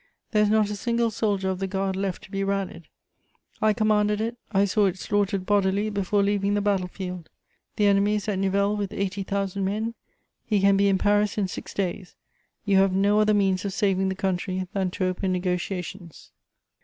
There is not a single soldier of the Guard left to be rallied: I commanded it; I saw it slaughtered bodily before leaving the battle field. The enemy is at Nivelle with eighty thousand men; he can be in Paris in six days: you have no other means of saving the country than to open negociations."